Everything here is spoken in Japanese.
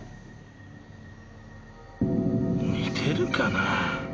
似てるかなぁ？